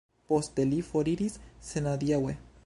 Poste li foriris senadiaŭe.